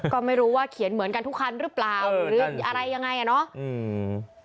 ก็ไม่รู้ว่าเขียนเหมือนกันทุกคันหรือเปล่าหรืออะไรยังไงอ่ะเนาะ